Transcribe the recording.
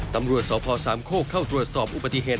ตำรวจสพสามโคกเข้าตรวจสอบอุบัติเหตุ